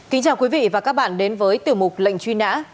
kính chào quý vị và các bạn đến với tiểu mục lệnh truy nã